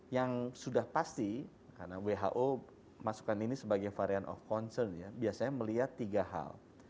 yang sudah pasti karena who masukkan ini sebagai variant of concern ya biasanya melihat tiga hal